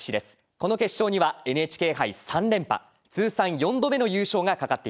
この決勝にはＮＨＫ杯３連覇通算４度目の優勝が懸かっています。